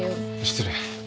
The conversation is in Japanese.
失礼。